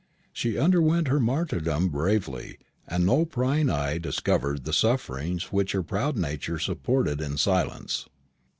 She underwent her martyrdom bravely, and no prying eye discovered the sufferings which her proud nature supported in silence.